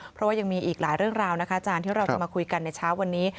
เพราะว่ายังมีอีกหลายเรื่องราวนะคะอาจารย์ที่เราจะมาคุยกันในเช้าวันนี้